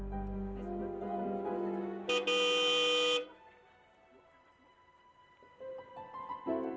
hebatnya kantor nya irjal ya nami obvious